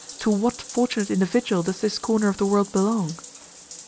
to what fortunate individual does this corner of the world belong?